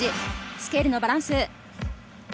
スケールのバランス。